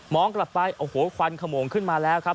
กลับไปโอ้โหควันขโมงขึ้นมาแล้วครับ